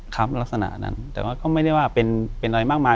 ครับลักษณะนั้นแต่ว่าก็ไม่ได้ว่าเป็นอะไรมากมาย